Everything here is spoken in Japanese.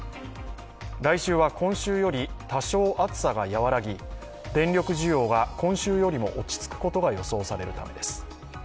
来週は今週より多少暑さが和らぎ、電力需要が今週よりも落ち着くことが予想されるためです。